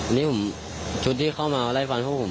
อันนี้ชุดที่เข้ามาไล่ฟันเพราะผม